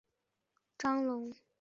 张国龙及核四公投促进会召集人。